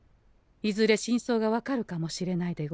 いずれ真相が分かるかもしれないでござんす。